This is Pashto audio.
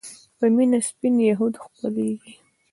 په مينه سپين يهود خپلېږي